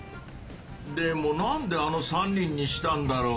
でもなんであの３人にしたんだろう？